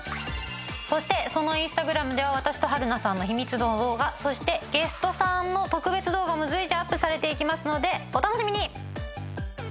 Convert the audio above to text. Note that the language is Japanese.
そしてそのインスタグラムでは私と春菜さんの秘密の動画そしてゲストさんの特別動画も随時アップされていきますのでお楽しみに！